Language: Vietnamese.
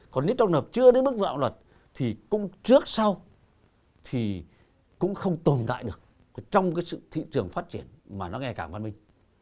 còn nếu trường hợp chưa đến mức mạng bóng luật thì cũng trước sau thì cũng không tồn tại được trong cái sự thị trường phát triển mà nó nghe cảng văn minh